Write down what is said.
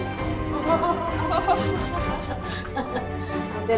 ini lewat dia ya